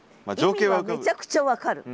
意味はめちゃくちゃ分かる。